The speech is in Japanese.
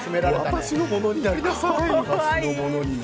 私のものになりなさい。